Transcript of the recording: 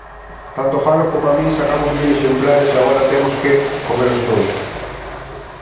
Tanto Jano coma min sacamos mil exemplares e agora temos que "comelos" todos.